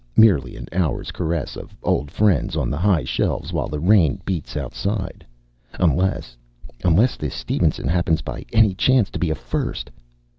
Merely an hour's caress of old friends on the high shelves while the rain beats outside. Unless unless this Stevenson happens by any chance to be a "first."